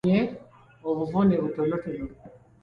Abawala baafunye obuvune butonotono.